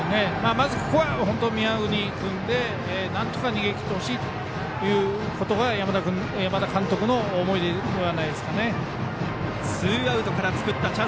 まず、ここは宮國君でなんとか逃げ切ってほしいということが山田監督の思いではないですかね。